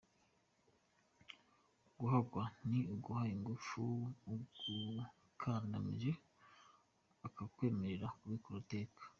Guhakwa ni uguha ingufu ugukandamije ukamwemerera kubikora iteka.